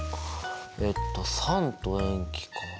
えっと酸と塩基か。